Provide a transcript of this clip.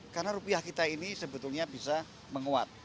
karena rupiah kita ini sebetulnya bisa menguat